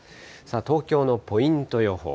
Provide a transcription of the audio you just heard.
東京のポイント予報。